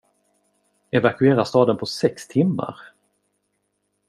Evakuera staden på sex timmar?